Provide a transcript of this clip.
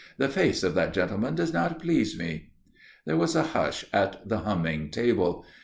"The face of that gentleman does not please me." There was a hush at the humming table.